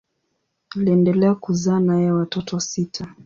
Aliendelea kuzaa naye watoto sita.